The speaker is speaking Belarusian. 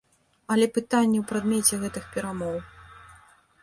Але пытанне ў прадмеце гэтых перамоў.